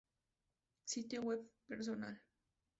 Sitio web personal